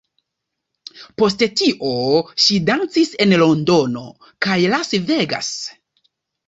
Post tio, ŝi dancis en Londono kaj Las Vegas.